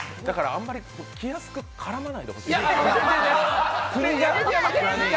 あんまり気安く絡まないでほしい。